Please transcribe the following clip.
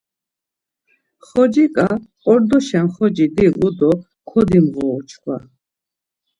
Xociǩa ordoşen xoci divu do kodimğoru çkva.